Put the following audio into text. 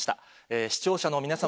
視聴者の皆様